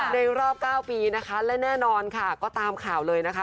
ในรอบ๙ปีนะคะและแน่นอนค่ะก็ตามข่าวเลยนะคะ